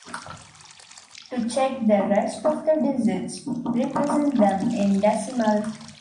To check the rest of the digits, represent them in decimal.